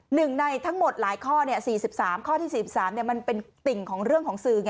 หนึ่งในทั้งหมดหลายข้อ๔๓ข้อที่๔๓มันเป็นติ่งของเรื่องของสื่อไง